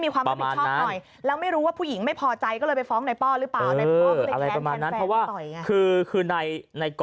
คนที่ไปซื้อของ